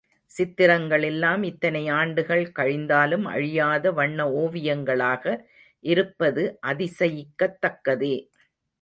சித்திரங்கள் எல்லாம் இத்தனை ஆண்டுகள் கழிந்தாலும் அழியாத வண்ண ஓவியங்களாக இருப்பது அதிசயிக்கத்தக்கதே.